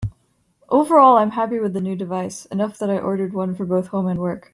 Overall I'm happy with the new device, enough that I ordered one for both home and work.